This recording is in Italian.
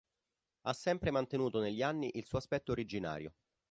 Ha sempre mantenuto negli anni il suo aspetto originario.